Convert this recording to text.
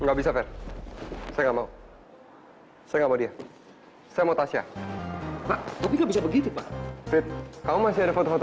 nggak bisa saya mau saya mau dia saya mau tasya bisa begitu kalau masih ada foto foto